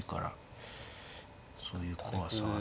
そういう怖さはね。